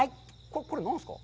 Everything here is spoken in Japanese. これ、何ですか？